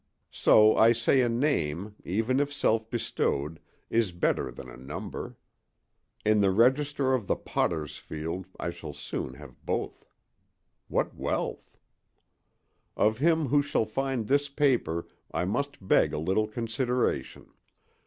So I say a name, even if self bestowed, is better than a number. In the register of the potter's field I shall soon have both. What wealth! Of him who shall find this paper I must beg a little consideration.